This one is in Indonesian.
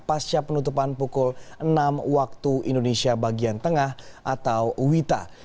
pasca penutupan pukul enam waktu indonesia bagian tengah atau wita